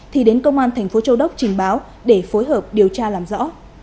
thì đến công an tp châu đốc trình báo để phối hợp điều tra làm rõ